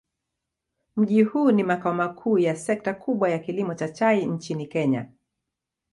Mji huu ni makao makuu ya sekta kubwa ya kilimo cha chai nchini Kenya.